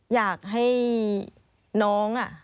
อยากให้น้อง